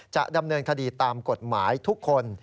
จะดำเนินคดีตามกฎหมายทุกคน